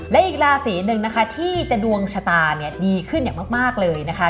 และอีกราศีหนึ่งนะคะที่จะดวงชะตาเนี่ยดีขึ้นอย่างมากเลยนะคะ